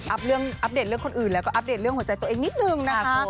อัปเดตเรื่องคนอื่นแล้วก็อัปเดตเรื่องหัวใจตัวเองนิดนึงนะคะ